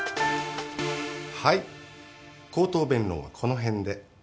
はい口頭弁論はこの辺で。